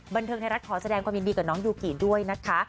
บันเทิงไทยรัฐขอแสดงความยินดีกับน้องยูกิด้วยนะคะ